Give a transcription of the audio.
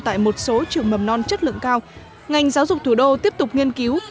tại một số trường mầm non chất lượng cao ngành giáo dục thủ đô tiếp tục nghiên cứu